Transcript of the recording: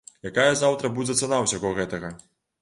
Якая заўтра будзе цана ўсяго гэтага?